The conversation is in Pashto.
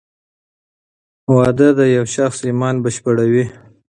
واده د یو شخص ایمان بشپړوې.